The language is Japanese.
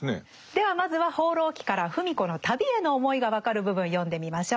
ではまずは「放浪記」から芙美子の旅への思いが分かる部分読んでみましょう。